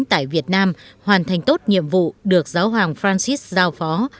tại việt nam hoàn thành tốt nhiệm vụ được giáo hoàng francis giao phó